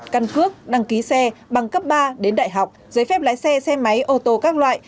căn cước đăng ký xe bằng cấp ba đến đại học giấy phép lái xe xe máy ô tô các loại